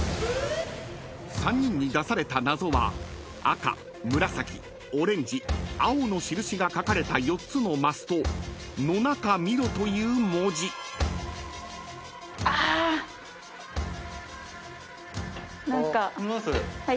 ［３人に出された謎は赤紫オレンジ青の印が描かれた４つの升と「の中見ろ」という文字］ホンマや。